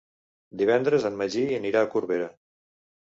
Divendres en Magí anirà a Corbera.